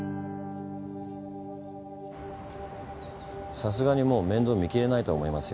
さすがにもう面倒見きれないと思いますよ